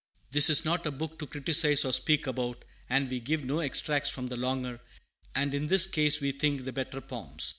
"This is not a book to criticise or speak about, and we give no extracts from the longer, and in this case, we think, the better poems.